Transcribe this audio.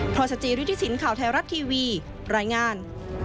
พระสจริทธิสินทร์ข่าวไทยรัฐทีวีรายงาน